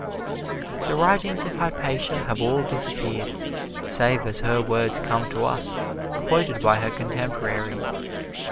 The writings of Hypatia have all disappeared, save as her words come to us, quoted by her contemporaries.